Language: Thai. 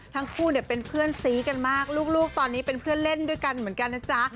ทั้งคู่เนี่ยเป็นเพื่อนซีกันมากลูกตอนนี้เป็นเพื่อนเล่นด้วยกันเหมือนกันนะจ๊ะ